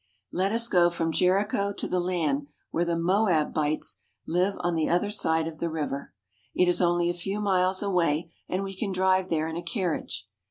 Let us go from Jericho to the land where the Moabites live on the other side of the river. It is only a few miles away, and we can drive there in a carriage.